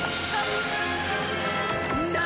何！？